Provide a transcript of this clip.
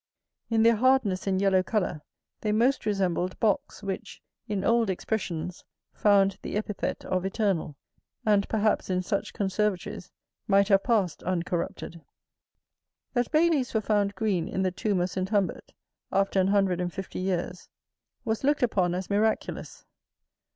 In their hardness and yellow colour they most resembled box, which, in old expressions, found the epithet of eternal, and perhaps in such conservatories might have passed uncorrupted. That bay leaves were found green in the tomb of S. Humbert, after an hundred and fifty years, was looked upon as miraculous.